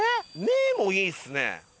目もいいですね。